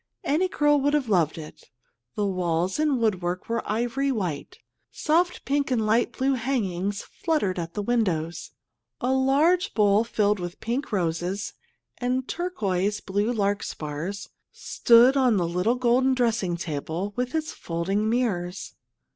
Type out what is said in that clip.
Any girl would have loved it. The walls and woodwork were ivory white. Soft pink and light blue hangings fluttered at the windows. A large bowl, filled with pink roses and turquoise blue larkspurs, stood on the little golden dressing table with its folding mirrors.